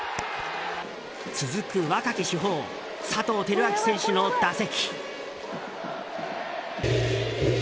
続く、若き主砲佐藤輝明選手の打席。